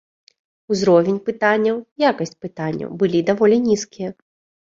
Узровень пытанняў, якасць пытанняў былі даволі нізкія.